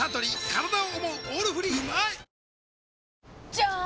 じゃーん！